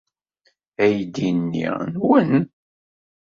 Aydi-nni nwen.